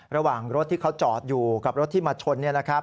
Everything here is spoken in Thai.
ระหว่างรถที่เขาจอดอยู่กับรถที่มาชน